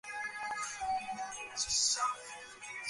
ওরা ফাঁদে পা দেওয়া পর্যন্ত অপেক্ষা কর, কপি?